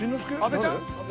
阿部ちゃん！